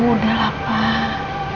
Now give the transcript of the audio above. udah lah pak